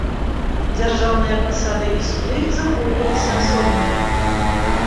Дзяржаўныя пасады і суды захоўваліся асобныя.